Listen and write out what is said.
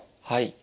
はい。